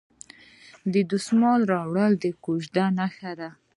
د دسمال راوړل د کوژدې نښه ده.